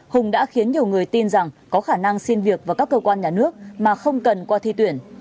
hùng đã khiến nhiều người tin rằng có khả năng xin việc vào các cơ quan nhà nước mà không cần qua thi tuyển